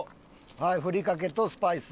はいふりかけとスパイス。